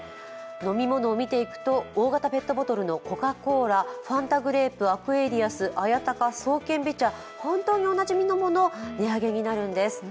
飲み物を見ていくと、大型ペットボトルのコカ・コーラ、ファンタグレープ、アクエリアス、綾鷹、爽健美茶、本当になじみのもの、値上げになるんです。